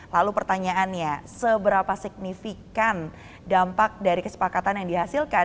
lalu pertanyaannya seberapa signifikan dampak dari kesepakatan yang dihasilkan